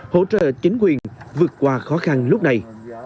hỗ trợ chính quyền vượt qua khó khăn lúc này